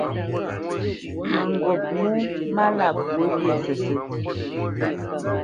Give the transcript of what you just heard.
Mǝŋgop mó málá pwǒ wyê sǝ́sǝ̂.